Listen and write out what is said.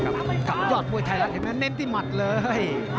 ขับยอดมวยไทรักษ์เน้นที่หมัดเลย